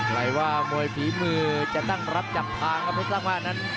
ใครว่ามวยฝีมือจะตั้งรับจับทางครับเพชรสร้างบ้านนั้น